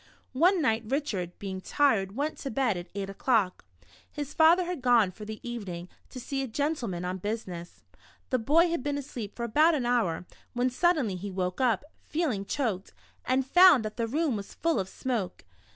One night Richard, being tired, went to bed at eight o'clock. His father had gone for the evening, to see a gentle man on business. The boy had been asleep for about an hour, when suddenly he woke up, feeling choked, and found that the room was full of smoke